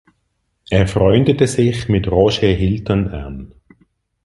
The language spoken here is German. Er freundete sich mit Roger Hilton an.